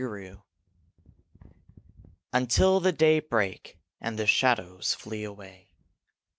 DAYBREAK _Until the day break, and the shadows flee away.